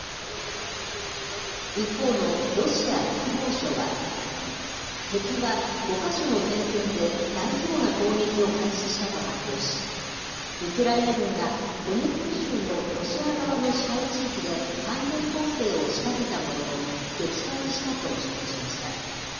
一方のロシア国防省は、敵は５か所の戦線で大規模な攻撃を開始したと発表し、ウクライナ軍がドネツク州のロシア側の支配地域で反転攻勢を仕掛けたものの、撃退したと主張しました。